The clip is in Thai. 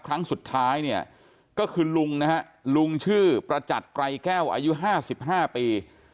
ครั้งสุดท้ายเนี่ยก็คือลุงนะฮะลุงชื่อประจัดไกรแก้วอายุ๕๕ปี